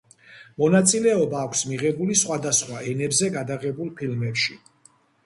მონაწილეობა აქვს მიღებული სხვადასხვა ენებზე გადაღებულ ფილმებში.